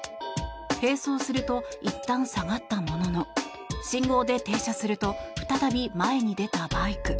並走するといったん下がったものの信号で停車すると再び前に出たバイク。